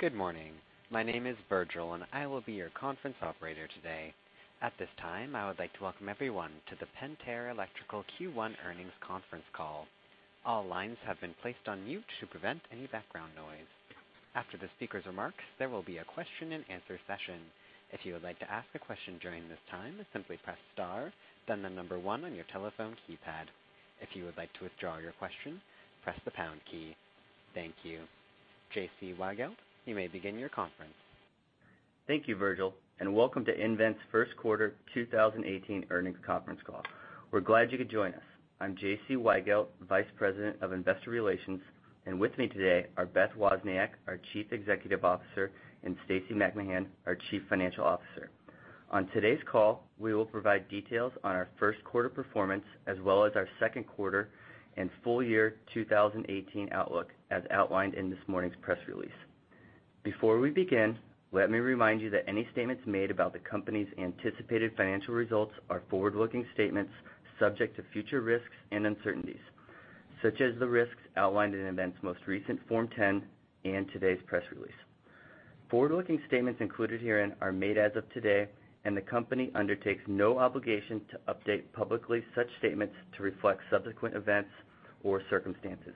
Good morning. My name is Virgil. I will be your conference operator today. At this time, I would like to welcome everyone to the nVent Electric Q1 earnings conference call. All lines have been placed on mute to prevent any background noise. After the speaker's remarks, there will be a question and answer session. If you would like to ask a question during this time, simply press star, then the number 1 on your telephone keypad. If you would like to withdraw your question, press the pound key. Thank you. J.C. Weigelt, you may begin your conference. Thank you, Virgil. Welcome to nVent's first quarter 2018 earnings conference call. We're glad you could join us. I'm J.C. Weigelt, Vice President of Investor Relations. With me today are Beth Wozniak, our Chief Executive Officer, and Stacy McMahan, our Chief Financial Officer. On today's call, we will provide details on our first quarter performance, as well as our second quarter and full year 2018 outlook, as outlined in this morning's press release. Before we begin, let me remind you that any statements made about the company's anticipated financial results are forward-looking statements subject to future risks and uncertainties, such as the risks outlined in nVent's most recent Form 10 and today's press release. Forward-looking statements included herein are made as of today. The company undertakes no obligation to update publicly such statements to reflect subsequent events or circumstances.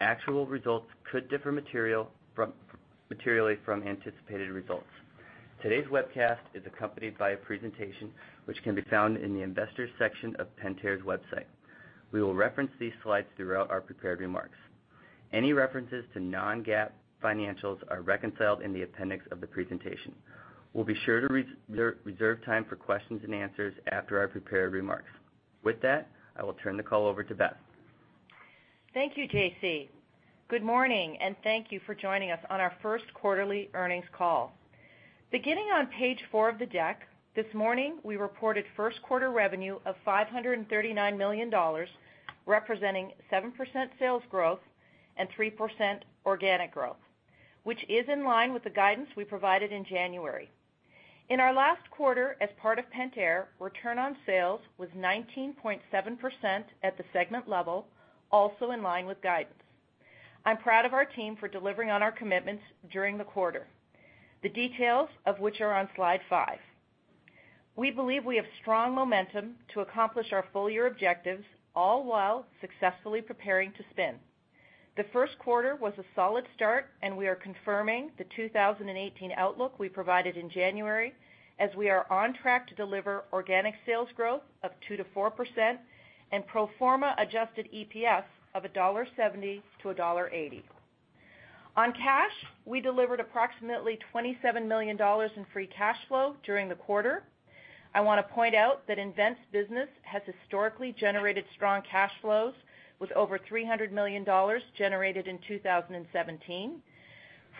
Actual results could differ materially from anticipated results. Today's webcast is accompanied by a presentation which can be found in the investors section of Pentair's website. We will reference these slides throughout our prepared remarks. Any references to non-GAAP financials are reconciled in the appendix of the presentation. We'll be sure to reserve time for questions and answers after our prepared remarks. With that, I will turn the call over to Beth. Thank you, J.C. Good morning. Thank you for joining us on our first quarterly earnings call. Beginning on page four of the deck, this morning, we reported first quarter revenue of $539 million, representing 7% sales growth and 3% organic growth, which is in line with the guidance we provided in January. In our last quarter as part of Pentair, return on sales was 19.7% at the segment level, also in line with guidance. I'm proud of our team for delivering on our commitments during the quarter, the details of which are on slide five. We believe we have strong momentum to accomplish our full year objectives, all while successfully preparing to spin. The first quarter was a solid start, and we are confirming the 2018 outlook we provided in January, as we are on track to deliver organic sales growth of 2%-4% and pro forma adjusted EPS of $1.70-$1.80. On cash, we delivered approximately $27 million in free cash flow during the quarter. I want to point out that nVent's business has historically generated strong cash flows, with over $300 million generated in 2017.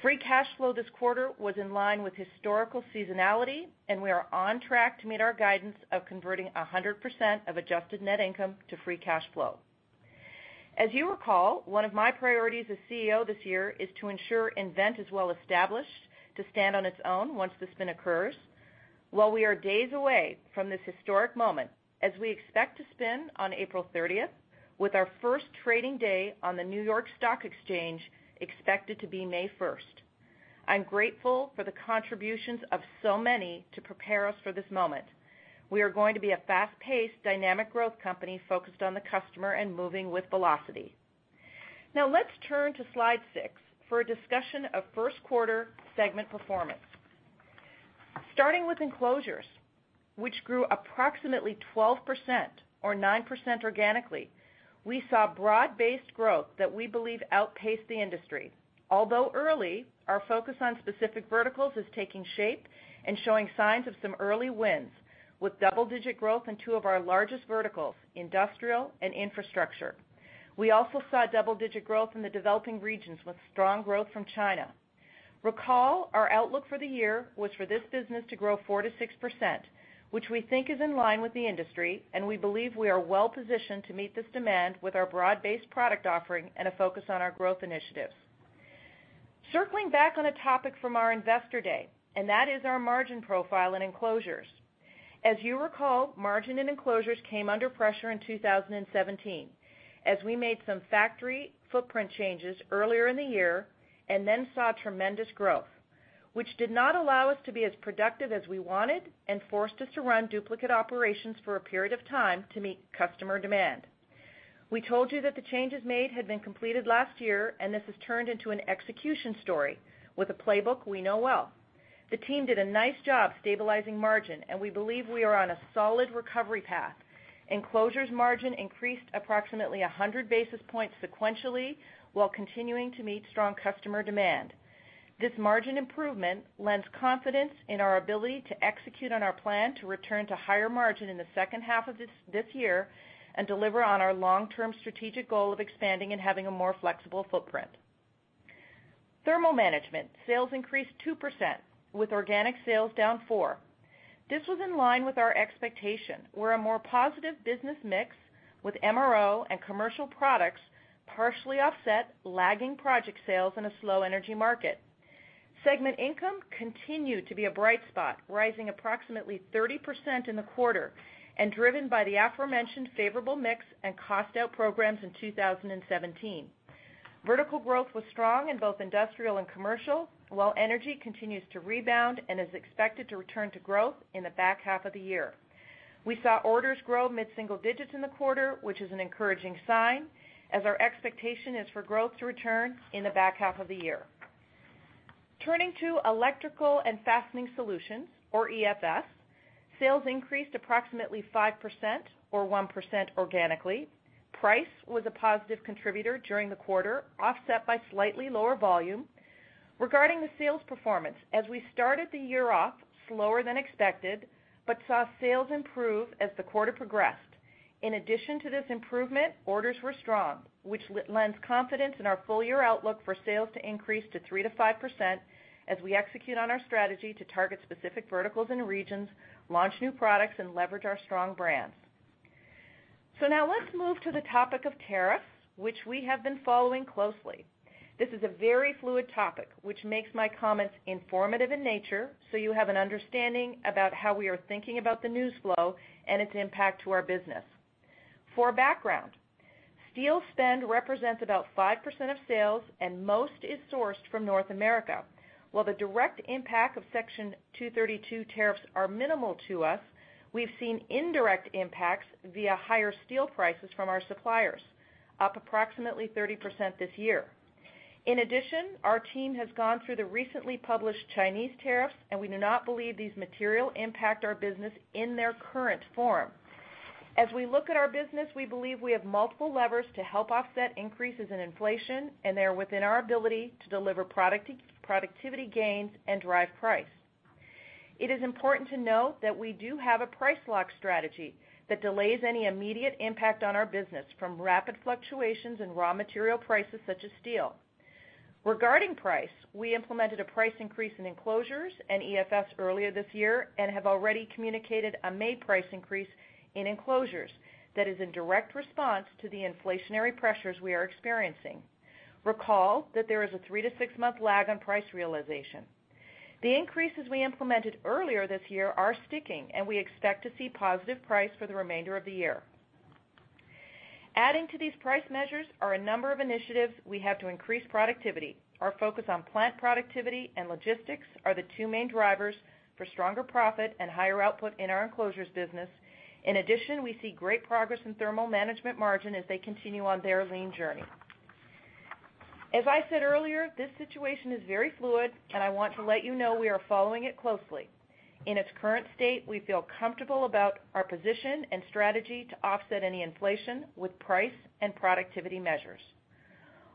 Free cash flow this quarter was in line with historical seasonality, and we are on track to meet our guidance of converting 100% of adjusted net income to free cash flow. As you recall, one of my priorities as CEO this year is to ensure nVent is well established to stand on its own once the spin occurs. While we are days away from this historic moment, as we expect to spin on April 30th, with our first trading day on the New York Stock Exchange expected to be May 1st. I'm grateful for the contributions of so many to prepare us for this moment. We are going to be a fast-paced, dynamic growth company focused on the customer and moving with velocity. Now let's turn to slide six for a discussion of first quarter segment performance. Starting with enclosures, which grew approximately 12%, or 9% organically, we saw broad-based growth that we believe outpaced the industry. Although early, our focus on specific verticals is taking shape and showing signs of some early wins with double-digit growth in two of our largest verticals, industrial and infrastructure. We also saw double-digit growth in the developing regions with strong growth from China. Recall our outlook for the year was for this business to grow 4%-6%, which we think is in line with the industry, and we believe we are well positioned to meet this demand with our broad-based product offering and a focus on our growth initiatives. Circling back on a topic from our investor day, and that is our margin profile and enclosures. As you recall, margin and enclosures came under pressure in 2017 as we made some factory footprint changes earlier in the year and then saw tremendous growth, which did not allow us to be as productive as we wanted and forced us to run duplicate operations for a period of time to meet customer demand. We told you that the changes made had been completed last year, and this has turned into an execution story with a playbook we know well. The team did a nice job stabilizing margin, and we believe we are on a solid recovery path. Enclosures margin increased approximately 100 basis points sequentially while continuing to meet strong customer demand. This margin improvement lends confidence in our ability to execute on our plan to return to higher margin in the second half of this year and deliver on our long-term strategic goal of expanding and having a more flexible footprint. Thermal management sales increased 2% with organic sales down 4%. This was in line with our expectation where a more positive business mix with MRO and commercial products partially offset lagging project sales in a slow energy market. Segment income continued to be a bright spot, rising approximately 30% in the quarter and driven by the aforementioned favorable mix and cost-out programs in 2017. Vertical growth was strong in both industrial and commercial, while energy continues to rebound and is expected to return to growth in the back half of the year. We saw orders grow mid-single digits in the quarter, which is an encouraging sign, as our expectation is for growth to return in the back half of the year. Turning to Electrical and Fastening Solutions, or EFS, sales increased approximately 5%, or 1% organically. Price was a positive contributor during the quarter, offset by slightly lower volume. Regarding the sales performance, we started the year off slower than expected but saw sales improve as the quarter progressed. In addition to this improvement, orders were strong, which lends confidence in our full-year outlook for sales to increase to 3%-5% as we execute on our strategy to target specific verticals and regions, launch new products, and leverage our strong brands. Now let's move to the topic of tariffs, which we have been following closely. This is a very fluid topic, which makes my comments informative in nature, so you have an understanding about how we are thinking about the news flow and its impact to our business. For background, steel spend represents about 5% of sales and most is sourced from North America. While the direct impact of Section 232 tariffs are minimal to us, we've seen indirect impacts via higher steel prices from our suppliers, up approximately 30% this year. In addition, our team has gone through the recently published Chinese tariffs, and we do not believe these materially impact our business in their current form. As we look at our business, we believe we have multiple levers to help offset increases in inflation, and they are within our ability to deliver productivity gains and drive price. It is important to note that we do have a price lock strategy that delays any immediate impact on our business from rapid fluctuations in raw material prices such as steel. Regarding price, we implemented a price increase in Enclosures and EFS earlier this year and have already communicated a May price increase in Enclosures that is in direct response to the inflationary pressures we are experiencing. Recall that there is a three-to-six-month lag on price realization. The increases we implemented earlier this year are sticking, and we expect to see positive price for the remainder of the year. Adding to these price measures are a number of initiatives we have to increase productivity. Our focus on plant productivity and logistics are the two main drivers for stronger profit and higher output in our Enclosures business. In addition, we see great progress in Thermal Management margin as they continue on their lean journey. As I said earlier, this situation is very fluid, and I want to let you know we are following it closely. In its current state, we feel comfortable about our position and strategy to offset any inflation with price and productivity measures.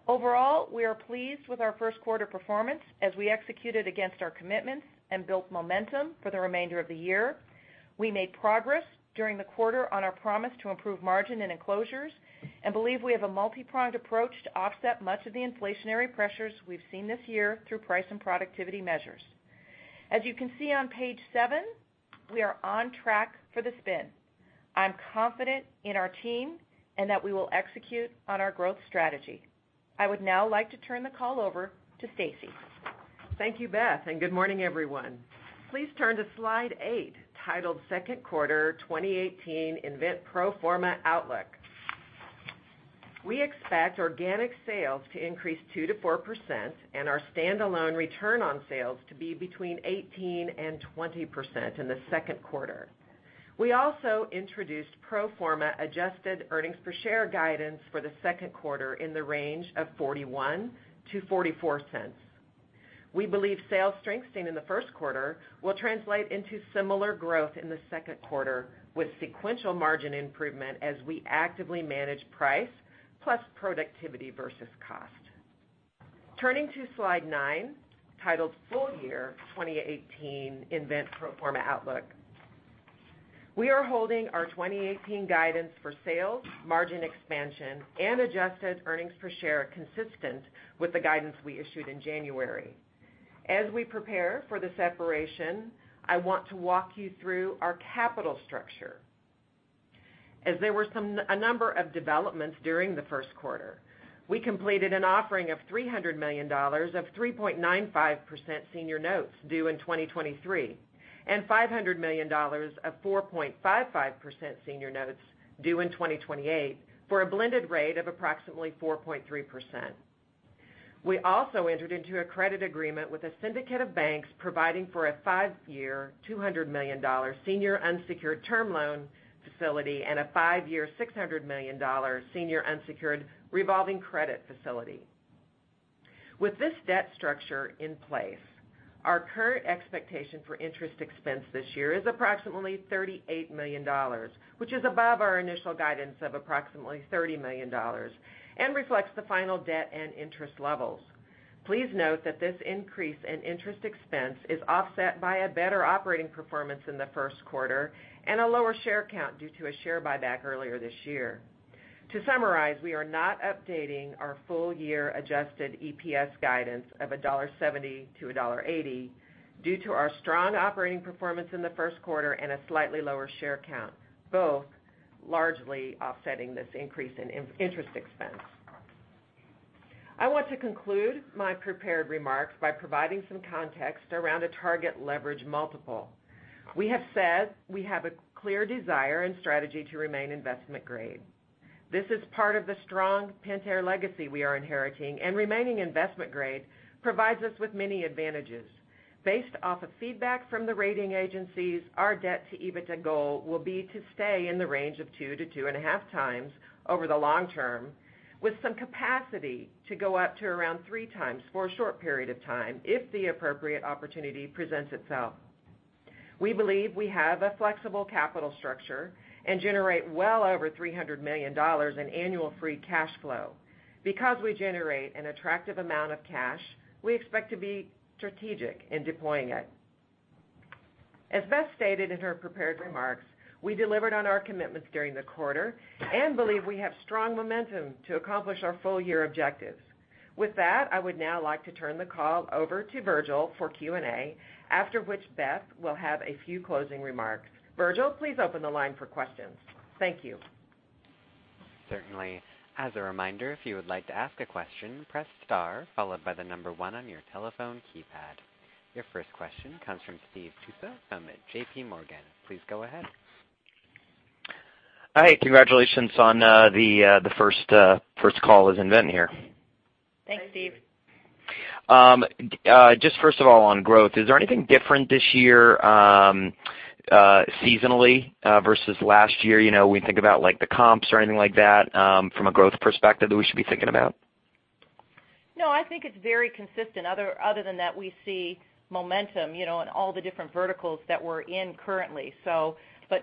Overall, we are pleased with our first quarter performance as we executed against our commitments and built momentum for the remainder of the year. We made progress during the quarter on our promise to improve margin in Enclosures and believe we have a multi-pronged approach to offset much of the inflationary pressures we've seen this year through price and productivity measures. As you can see on page seven, we are on track for the spin. I'm confident in our team and that we will execute on our growth strategy. I would now like to turn the call over to Stacy. Thank you, Beth, and good morning, everyone. Please turn to slide eight, titled Second Quarter 2018 nVent Pro Forma Outlook. We expect organic sales to increase 2%-4% and our standalone return on sales to be between 18% and 20% in the second quarter. We also introduced pro forma adjusted earnings per share guidance for the second quarter in the range of $0.41-$0.44. We believe sales strengthening in the first quarter will translate into similar growth in the second quarter with sequential margin improvement as we actively manage price plus productivity versus cost. Turning to slide nine, titled Full Year 2018 nVent Pro Forma Outlook. We are holding our 2018 guidance for sales, margin expansion, and adjusted earnings per share consistent with the guidance we issued in January. As we prepare for the separation, I want to walk you through our capital structure. As there were a number of developments during the first quarter. We completed an offering of $300 million of 3.95% senior notes due in 2023 and $500 million of 4.55% senior notes due in 2028 for a blended rate of approximately 4.3%. We also entered into a credit agreement with a syndicate of banks providing for a five-year $200 million senior unsecured term loan facility and a five-year $600 million senior unsecured revolving credit facility. With this debt structure in place, our current expectation for interest expense this year is approximately $38 million, which is above our initial guidance of approximately $30 million and reflects the final debt and interest levels. Please note that this increase in interest expense is offset by a better operating performance in the first quarter and a lower share count due to a share buyback earlier this year. To summarize, we are not updating our full-year adjusted EPS guidance of $1.70-$1.80 due to our strong operating performance in the first quarter and a slightly lower share count, both largely offsetting this increase in interest expense. I want to conclude my prepared remarks by providing some context around a target leverage multiple. We have said we have a clear desire and strategy to remain investment grade. This is part of the strong Pentair legacy we are inheriting, and remaining investment grade provides us with many advantages. Based off of feedback from the rating agencies, our debt to EBITDA goal will be to stay in the range of 2x-2.5x over the long term, with some capacity to go up to around 3x for a short period of time if the appropriate opportunity presents itself. We believe we have a flexible capital structure and generate well over $300 million in annual free cash flow. Because we generate an attractive amount of cash, we expect to be strategic in deploying it. As Beth stated in her prepared remarks, we delivered on our commitments during the quarter and believe we have strong momentum to accomplish our full-year objectives. With that, I would now like to turn the call over to Virgil for Q&A, after which Beth will have a few closing remarks. Virgil, please open the line for questions. Thank you. Certainly. As a reminder, if you would like to ask a question, press star followed by the number one on your telephone keypad. Your first question comes from Steve Tusa from JPMorgan. Please go ahead. Hi. Congratulations on the first call as nVent here. Thanks, Steve. First of all, on growth, is there anything different this year seasonally versus last year? When you think about the comps or anything like that from a growth perspective that we should be thinking about? No, I think it's very consistent other than that we see momentum in all the different verticals that we're in currently.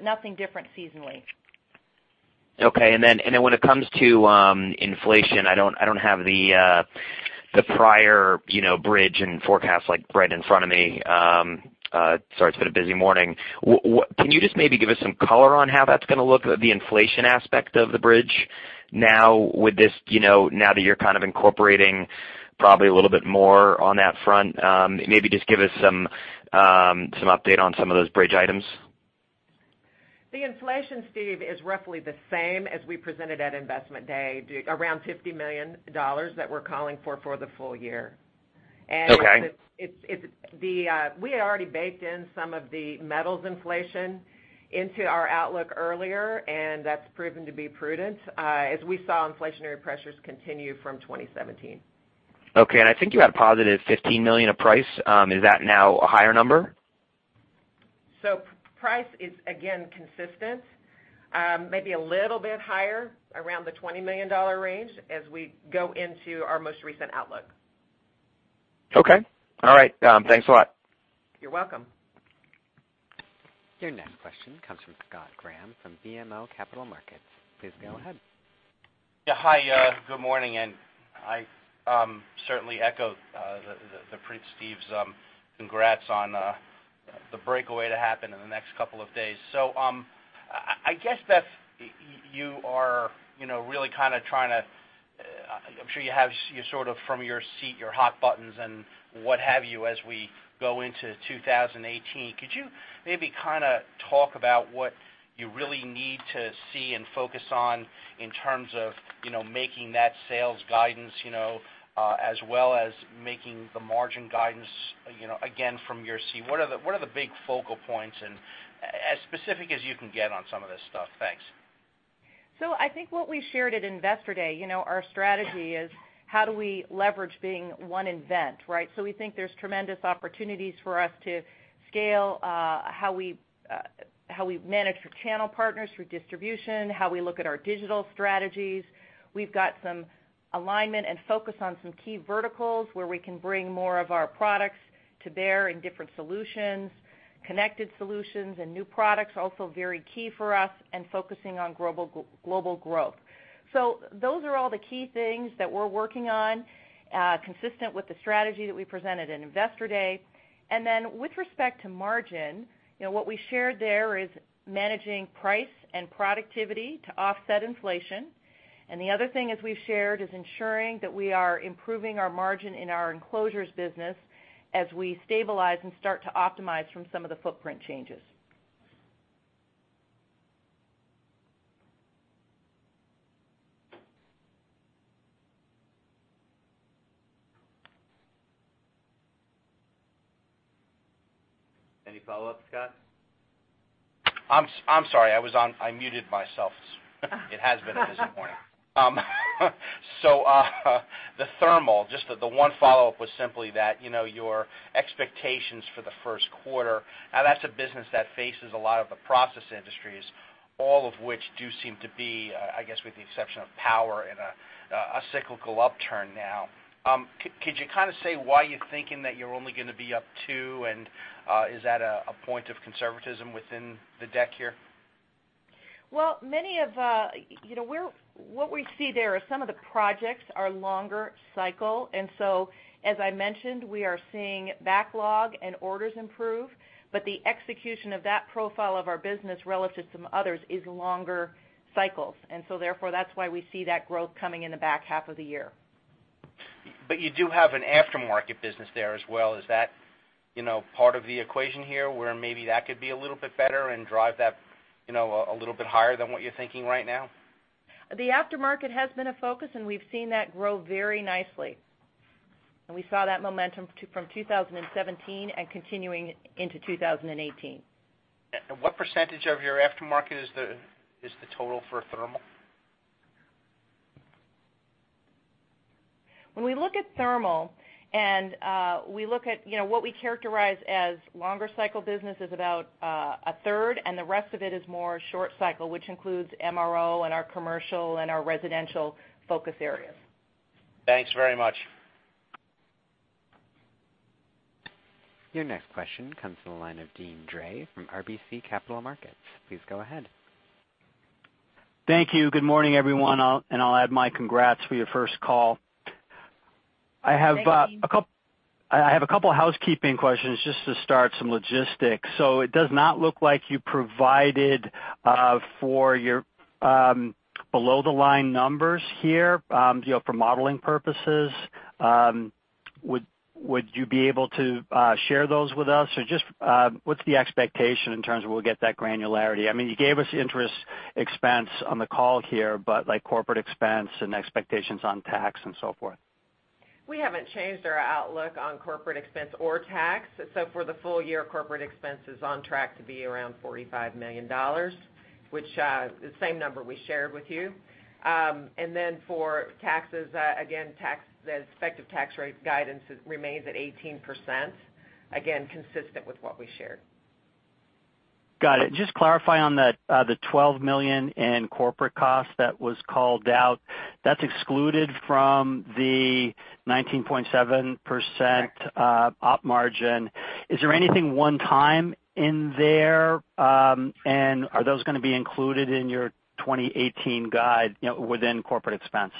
Nothing different seasonally. Okay. When it comes to inflation, I don't have the prior bridge and forecast right in front of me. Sorry, it's been a busy morning. Can you just maybe give us some color on how that's going to look, the inflation aspect of the bridge now that you're kind of incorporating probably a little bit more on that front? Maybe just give us some update on some of those bridge items. The inflation, Steve, is roughly the same as we presented at Investment Day, around $50 million that we're calling for the full year. Okay. We had already baked in some of the metals inflation into our outlook earlier, and that's proven to be prudent as we saw inflationary pressures continue from 2017. Okay, I think you had positive $15 million of price. Is that now a higher number? Price is, again, consistent. Maybe a little bit higher, around the $20 million range as we go into our most recent outlook. Okay. All right. Thanks a lot. You're welcome. Your next question comes from Scott Graham from BMO Capital Markets. Please go ahead. Yeah. Hi, good morning. I certainly echo Steve's congrats on the breakaway to happen in the next couple of days. I guess, Beth, you are really kind of I'm sure you have sort of from your seat, your hot buttons and what have you as we go into 2018. Could you maybe kind of talk about what you really need to see and focus on in terms of making that sales guidance, as well as making the margin guidance, again, from your seat? What are the big focal points, and as specific as you can get on some of this stuff. Thanks. I think what we shared at Investor Day, our strategy is how do we leverage being one nVent, right? We think there's tremendous opportunities for us to scale how we manage through channel partners, through distribution, how we look at our digital strategies. We've got some alignment and focus on some key verticals where we can bring more of our products to bear in different solutions, connected solutions and new products are also very key for us, and focusing on global growth. Those are all the key things that we're working on, consistent with the strategy that we presented in Investor Day. With respect to margin, what we shared there is managing price and productivity to offset inflation. The other thing as we’ve shared is ensuring that we are improving our margin in our enclosures business as we stabilize and start to optimize from some of the footprint changes. Any follow-up, Scott? I’m sorry, I muted myself. It has been a busy morning. The thermal, just the one follow-up was simply that your expectations for the first quarter, now that’s a business that faces a lot of the process industries, all of which do seem to be, I guess with the exception of power, in a cyclical upturn now. Could you kind of say why you’re thinking that you’re only going to be up two, and is that a point of conservatism within the deck here? What we see there is some of the projects are longer cycle, and so as I mentioned, we are seeing backlog and orders improve, but the execution of that profile of our business relative to others is longer cycles. Therefore, that’s why we see that growth coming in the back half of the year. You do have an aftermarket business there as well. Is that part of the equation here, where maybe that could be a little bit better and drive that a little bit higher than what you're thinking right now? The aftermarket has been a focus, and we've seen that grow very nicely. We saw that momentum from 2017 and continuing into 2018. What % of your aftermarket is the total for thermal? When we look at thermal and we look at what we characterize as longer cycle business is about a third, and the rest of it is more short cycle, which includes MRO and our commercial and our residential focus areas. Thanks very much. Your next question comes from the line of Deane Dray from RBC Capital Markets. Please go ahead. Thank you. Good morning, everyone. I'll add my congrats for your first call. Thank you, Deane. I have a couple housekeeping questions just to start some logistics. It does not look like you provided for your below-the-line numbers here for modeling purposes. Would you be able to share those with us? Or just what's the expectation in terms of we'll get that granularity? You gave us interest expense on the call here, but corporate expense and expectations on tax and so forth. We haven't changed our outlook on corporate expense or tax. For the full year, corporate expense is on track to be around $45 million, which the same number we shared with you. For taxes, again, the expected tax rate guidance remains at 18%, again, consistent with what we shared. Got it. Just clarify on the $12 million in corporate costs that was called out. That's excluded from the 19.7% op margin. Is there anything one-time in there, and are those going to be included in your 2018 guide within corporate expense?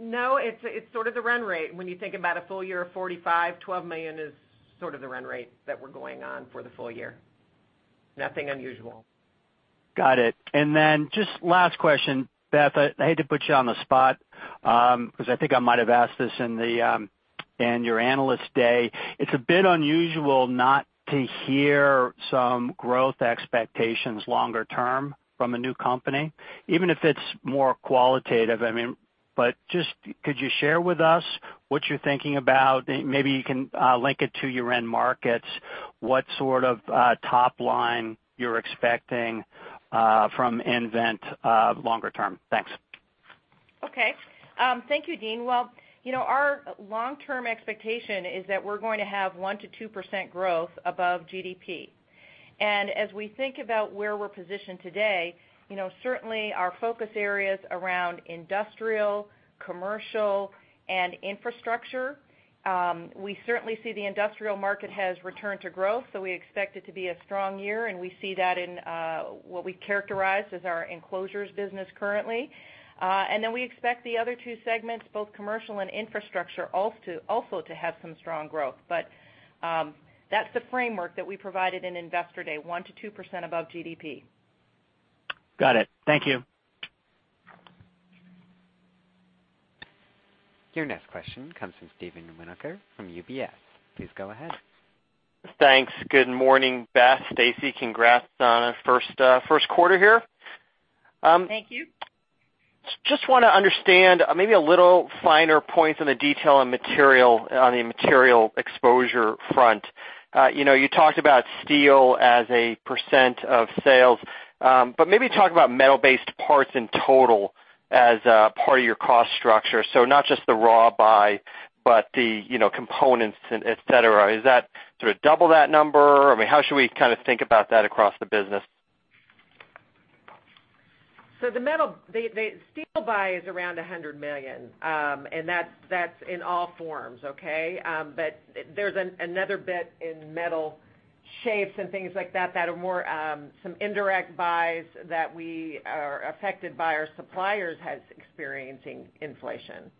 No, it's sort of the run rate. When you think about a full year of $45 million, $12 million is sort of the run rate that we're going on for the full year. Nothing unusual. Got it. Just last question, Beth, I hate to put you on the spot, because I think I might have asked this in your Analyst Day. It's a bit unusual not to hear some growth expectations longer term from a new company, even if it's more qualitative. Just could you share with us what you're thinking about? Maybe you can link it to your end markets, what sort of top line you're expecting from nVent longer term. Thanks. Okay. Thank you, Deane. Our long term expectation is that we're going to have 1%-2% growth above GDP. As we think about where we're positioned today, certainly our focus areas around industrial, commercial, and infrastructure, we certainly see the industrial market has returned to growth, we expect it to be a strong year, and we see that in what we characterize as our enclosures business currently. We expect the other two segments, both commercial and infrastructure, also to have some strong growth. That's the framework that we provided in Investor Day, 1%-2% above GDP. Got it. Thank you. Your next question comes from Steve Winoker from UBS. Please go ahead. Thanks. Good morning, Beth, Stacy. Congrats on a first quarter here. Thank you. Want to understand maybe a little finer points on the detail on the material exposure front. You talked about steel as a % of sales, maybe talk about metal-based parts in total as a part of your cost structure. Not just the raw buy, the components and et cetera. Is that sort of double that number? How should we kind of think about that across the business? The steel buy is around $100 million, and that's in all forms, okay? There's another bit in metal shapes and things like that that are more some indirect buys that we are affected by our suppliers has experiencing inflation.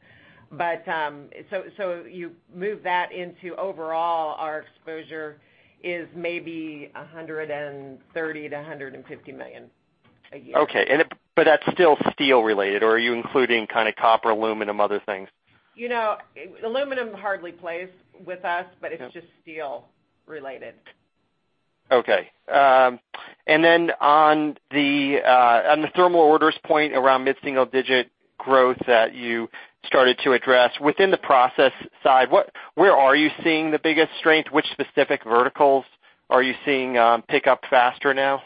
You move that into overall, our exposure is maybe $130 million-$150 million a year. Okay. That's still steel related, or are you including kind of copper, aluminum, other things? Aluminum hardly plays with us, but it's just steel related. Okay. On the thermal orders point around mid-single digit growth that you started to address, within the process side, where are you seeing the biggest strength? Which specific verticals are you seeing pick up faster now?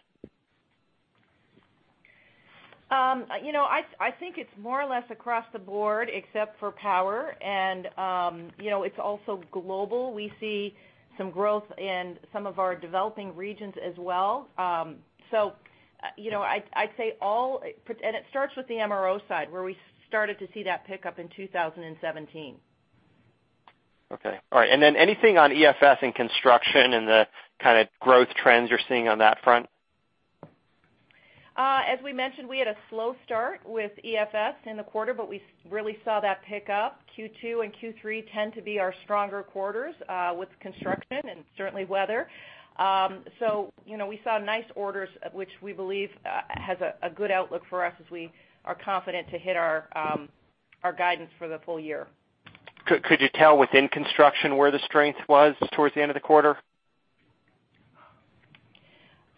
I think it's more or less across the board except for power, and it's also global. We see some growth in some of our developing regions as well. I'd say all, and it starts with the MRO side, where we started to see that pick up in 2017. Okay. All right. Anything on EFS and construction and the kind of growth trends you're seeing on that front? As we mentioned, we had a slow start with EFS in the quarter, but we really saw that pick up. Q2 and Q3 tend to be our stronger quarters with construction and certainly weather. We saw nice orders, which we believe has a good outlook for us as we are confident to hit our guidance for the full year. Could you tell within construction where the strength was towards the end of the quarter?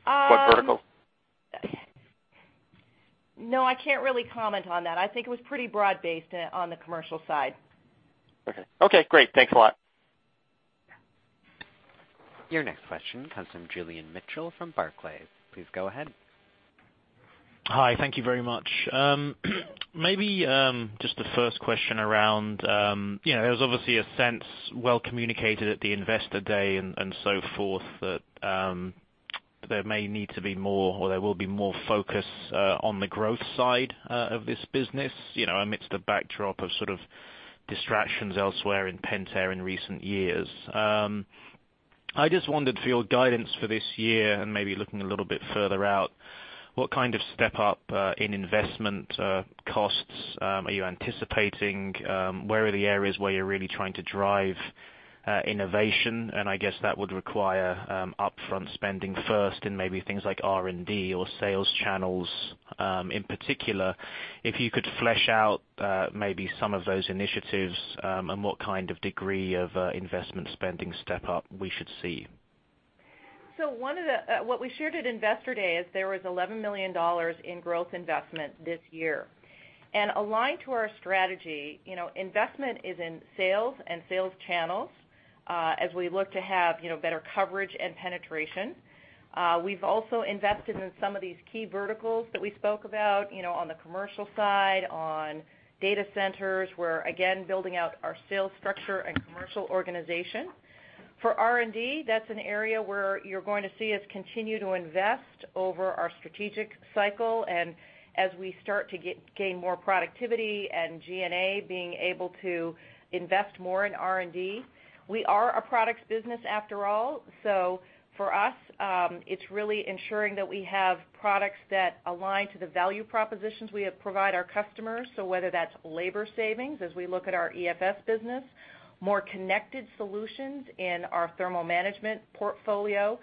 What vertical? No, I can't really comment on that. I think it was pretty broad-based on the commercial side. Okay, great. Thanks a lot. Your next question comes from Julian Mitchell from Barclays. Please go ahead. Hi. Thank you very much. Maybe just the first question around, there's obviously a sense, well communicated at the Investor Day and so forth, that there may need to be more, or there will be more focus on the growth side of this business amidst the backdrop of sort of distractions elsewhere in Pentair in recent years. I just wondered for your guidance for this year and maybe looking a little bit further out, what kind of step up in investment costs are you anticipating? Where are the areas where you're really trying to drive innovation? I guess that would require upfront spending first in maybe things like R&D or sales channels. In particular, if you could flesh out maybe some of those initiatives, and what kind of degree of investment spending step up we should see. What we shared at Investor Day is there was $11 million in growth investment this year. Aligned to our strategy, investment is in sales and sales channels, as we look to have better coverage and penetration. We've also invested in some of these key verticals that we spoke about on the commercial side, on data centers. We're again building out our sales structure and commercial organization. For R&D, that's an area where you're going to see us continue to invest over our strategic cycle, and as we start to gain more productivity and G&A being able to invest more in R&D. We are a products business after all. For us, it's really ensuring that we have products that align to the value propositions we provide our customers. Whether that's labor savings as we look at our EFS business, more connected solutions in our thermal management portfolio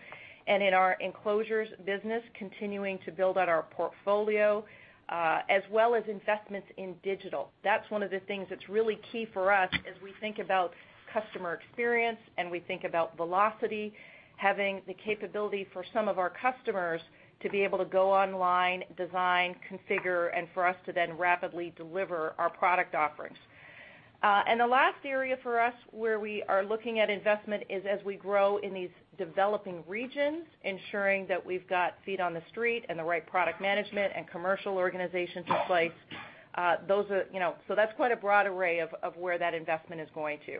and in our enclosures business, continuing to build out our portfolio, as well as investments in digital. That's one of the things that's really key for us as we think about customer experience and we think about velocity, having the capability for some of our customers to be able to go online, design, configure, and for us to then rapidly deliver our product offerings. The last area for us where we are looking at investment is as we grow in these developing regions, ensuring that we've got feet on the street and the right product management and commercial organizations in place. That's quite a broad array of where that investment is going to.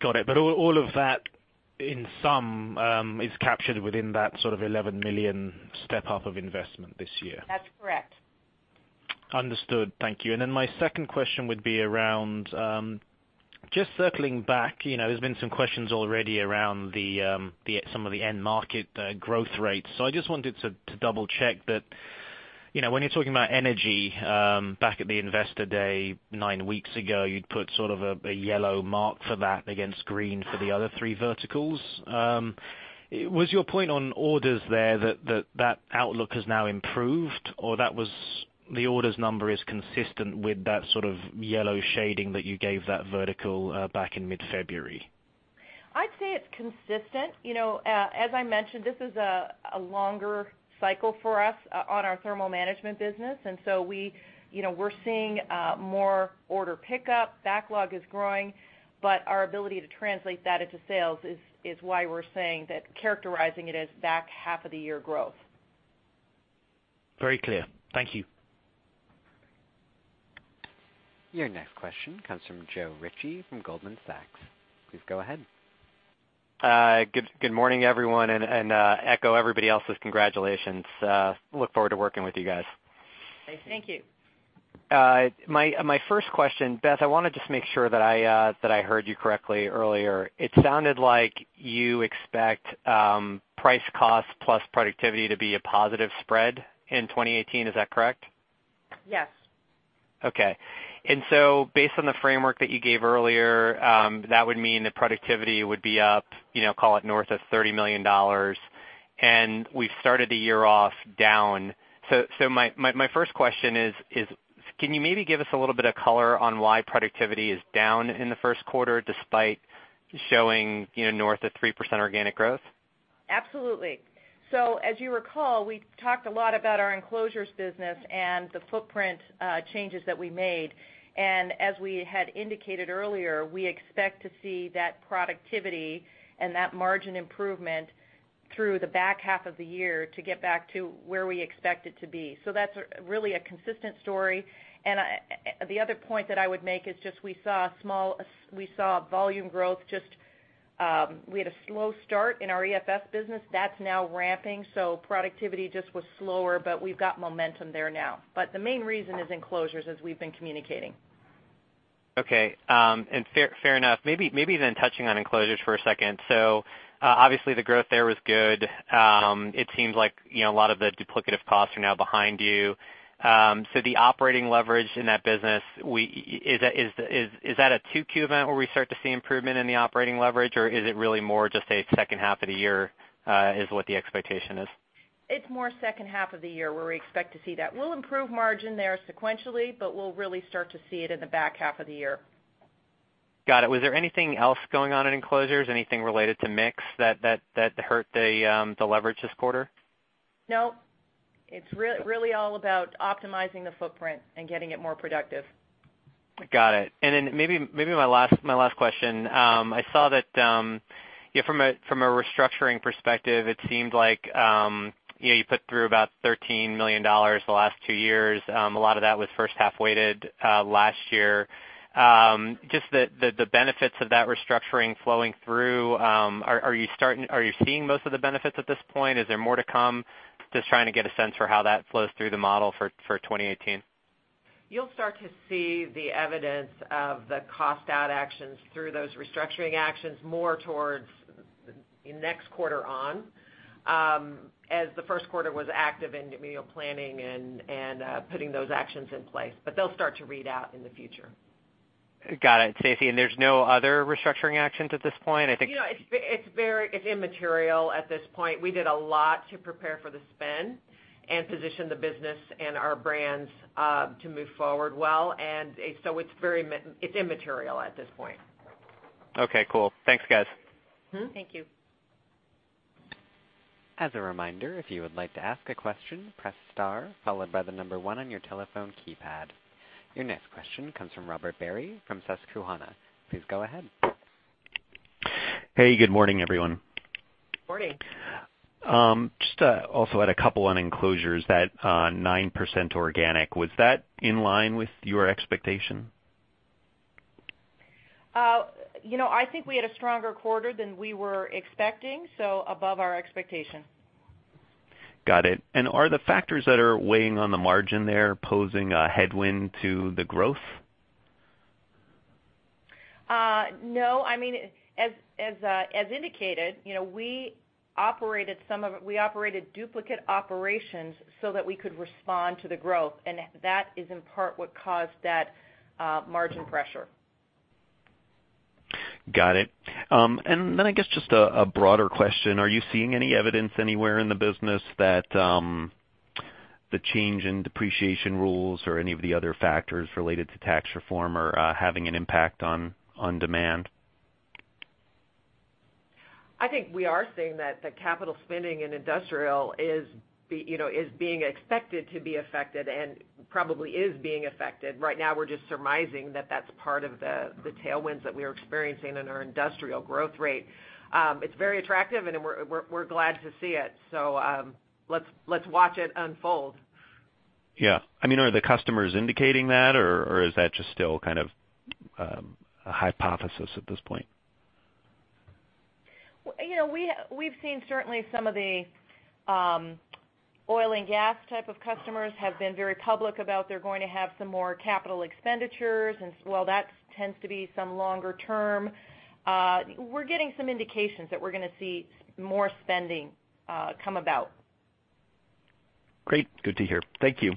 Got it. All of that in sum is captured within that sort of $11 million step up of investment this year. That's correct. Understood. Thank you. Then my second question would be around, just circling back, there's been some questions already around some of the end market growth rates. I just wanted to double check that when you're talking about energy, back at the Investor Day nine weeks ago, you'd put sort of a yellow mark for that against green for the other three verticals. Was your point on orders there that outlook has now improved, or the orders number is consistent with that sort of yellow shading that you gave that vertical back in mid-February? I'd say it's consistent. As I mentioned, this is a longer cycle for us on our thermal management business, and so we're seeing more order pickup. Backlog is growing, but our ability to translate that into sales is why we're characterizing it as back half of the year growth. Very clear. Thank you. Your next question comes from Joe Ritchie from Goldman Sachs. Please go ahead. Good morning, everyone, and echo everybody else's congratulations. Look forward to working with you guys. Thank you. My first question, Beth, I want to just make sure that I heard you correctly earlier. It sounded like you expect price cost plus productivity to be a positive spread in 2018. Is that correct? Yes. Okay. Based on the framework that you gave earlier, that would mean that productivity would be up, call it north of $30 million, and we've started the year off down. My first question is: can you maybe give us a little bit of color on why productivity is down in the first quarter despite showing north of 3% organic growth? Absolutely. As you recall, we talked a lot about our enclosures business and the footprint changes that we made. As we had indicated earlier, we expect to see that productivity and that margin improvement through the back half of the year to get back to where we expect it to be. That's really a consistent story. The other point that I would make is just we saw volume growth, just we had a slow start in our EFS business. That's now ramping. Productivity just was slower, but we've got momentum there now. The main reason is enclosures, as we've been communicating. Okay. Fair enough. Maybe touching on enclosures for a second. Obviously the growth there was good. It seems like a lot of the duplicative costs are now behind you. The operating leverage in that business, is that a 2Q event where we start to see improvement in the operating leverage, or is it really more just a second half of the year is what the expectation is? It's more second half of the year where we expect to see that. We'll improve margin there sequentially, but we'll really start to see it in the back half of the year. Got it. Was there anything else going on in enclosures? Anything related to mix that hurt the leverage this quarter? No. It's really all about optimizing the footprint and getting it more productive. Got it. Maybe my last question. I saw that from a restructuring perspective, it seemed like you put through about $13 million the last 2 years. A lot of that was first-half weighted last year. Just the benefits of that restructuring flowing through, are you seeing most of the benefits at this point? Is there more to come? Just trying to get a sense for how that flows through the model for 2018. You'll start to see the evidence of the cost-out actions through those restructuring actions more towards next quarter on, as the first quarter was active in planning and putting those actions in place. They'll start to read out in the future. Got it, Stacy. There's no other restructuring actions at this point? It's immaterial at this point. We did a lot to prepare for the spin and position the business and our brands to move forward well, it's immaterial at this point. Okay, cool. Thanks, guys. Mm-hmm. Thank you. As a reminder, if you would like to ask a question, press star followed by the number 1 on your telephone keypad. Your next question comes from Robert Barry from Susquehanna. Please go ahead. Hey, good morning, everyone. Morning. Just also had a couple on Enclosures. That 9% organic, was that in line with your expectation? I think we had a stronger quarter than we were expecting, above our expectation. Got it. Are the factors that are weighing on the margin there posing a headwind to the growth? No. As indicated, we operated duplicate operations so that we could respond to the growth, that is in part what caused that margin pressure. Got it. I guess, just a broader question. Are you seeing any evidence anywhere in the business that the change in depreciation rules or any of the other factors related to tax reform are having an impact on demand? I think we are seeing that the capital spending in industrial is being expected to be affected and probably is being affected. Right now, we're just surmising that that's part of the tailwinds that we're experiencing in our industrial growth rate. It's very attractive, and we're glad to see it. Let's watch it unfold. Yeah. Are the customers indicating that, or is that just still kind of a hypothesis at this point? We've seen certainly some of the oil and gas type of customers have been very public about they're going to have some more capital expenditures. While that tends to be some longer term, we're getting some indications that we're going to see more spending come about. Great. Good to hear. Thank you.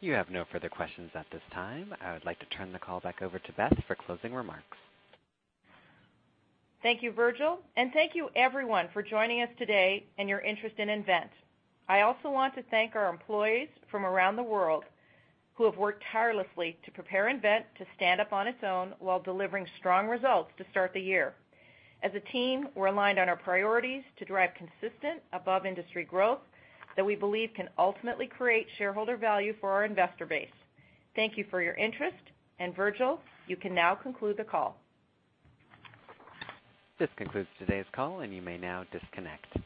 You have no further questions at this time. I would like to turn the call back over to Beth for closing remarks. Thank you, Virgil, and thank you everyone for joining us today and your interest in nVent. I also want to thank our employees from around the world who have worked tirelessly to prepare nVent to stand up on its own while delivering strong results to start the year. As a team, we're aligned on our priorities to drive consistent above-industry growth that we believe can ultimately create shareholder value for our investor base. Thank you for your interest, and Virgil, you can now conclude the call. This concludes today's call, and you may now disconnect.